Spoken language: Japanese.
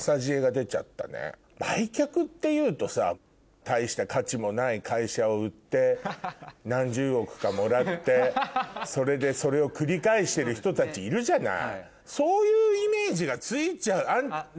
売却っていうとさ大した価値もない会社を売って何十億かもらってそれでそれを繰り返してる人たちいるじゃない？